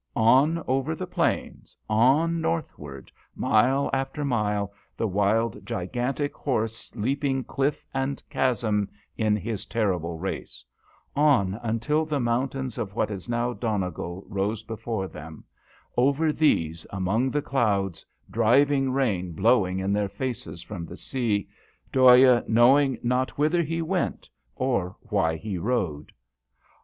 On over the plains, on northward, mile after mile, the wild gigantic horse leaping cliff and chasm in his terrible race ; on until the moun tains of what is now Donegal rose before them over these among the clouds, driving rain blowing in their faces from the sea, Dhoya knowing not whither he went, or why he rode.